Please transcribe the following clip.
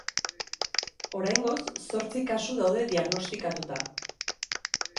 Oraingoz, zortzi kasu daude diagnostikatuta.